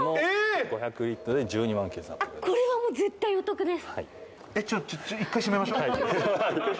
これは絶対お得です。